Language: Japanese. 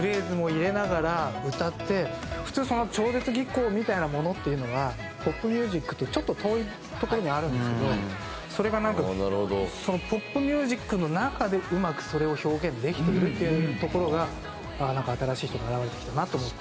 普通その超絶技巧みたいなものっていうのはポップミュージックとちょっと遠いところにあるんですけどそれがなんかそのポップミュージックの中でうまくそれを表現できているっていうところがなんか新しい人が現れてきたなと思って。